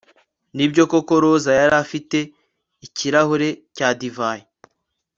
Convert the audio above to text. Nibyo koko Rosa yari afite ikirahure cya divayi